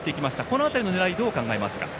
この辺りの狙い、どう考えますか。